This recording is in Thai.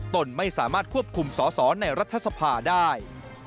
ตนไม่สามารถควบคุมสอสอในรัฐสภาได้